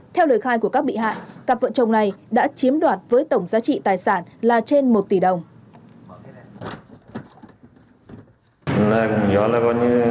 theo lời khai của các bị hại cặp vợ chồng này đã chiếm đoạt với tổng giá trị tài sản là trên một tỷ đồng